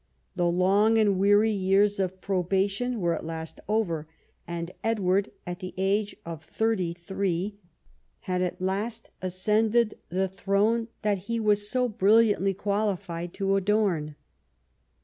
The long and weary years of probation were at last over, and Edward, at the age of thirty three, had at last ascended the throne that he was so brilliantly qualified to adorn.